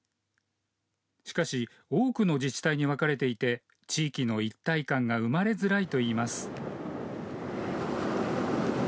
しかし、多くの自治体に分かれていて地域の一体感が生まれづらいといいます。